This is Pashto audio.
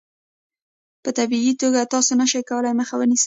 په طبیعي توګه تاسو نشئ کولای مخه ونیسئ.